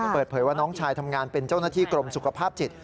เปิดเผยว่าน้องชายทำงานเป็นเจ้าหน้าที่กรมสุขภาพจิต